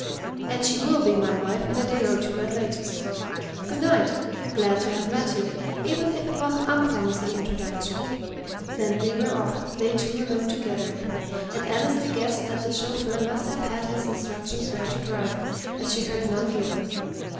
"And she will be my wife in a day or two at latest. Good night! Glad to have met you, even if it was an unpromising introduction." Then they were off, they two alone together; and Annesley guessed that the chauffeur must have had his instructions where to drive, as she heard none given.